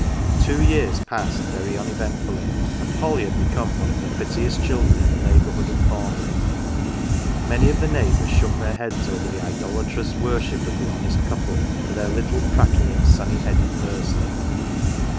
Two veal's passed very uneventfully, and Polly had become one of the prettiest children in the neighbourhood of Thornleigh. Many of the neighbours shook their heads over the idolatrous worship of the honest couple for their little prattling, sunny headed nursling.